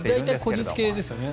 大体、こじつけですよね